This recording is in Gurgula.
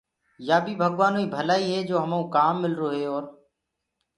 يآ بيٚ ڀگوآنو ڪيٚ ڀلآئيٚ هي جو همآئونٚ ڪآم ملروئي اور